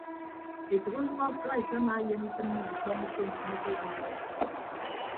Etәk ọsʌhọ krais amaayem itịmme ñkpọñ utom enye akediihe.